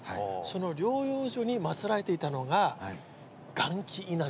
その療養所に祭られていたのが。